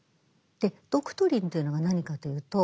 「ドクトリン」というのが何かというと政策。